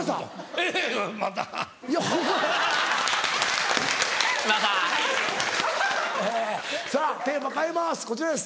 えさぁテーマ変えます